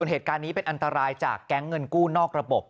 เหตุการณ์นี้เป็นอันตรายจากแก๊งเงินกู้นอกระบบ